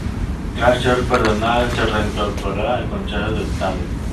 Tras ser perdonado se reincorporó al Consejo de Estado.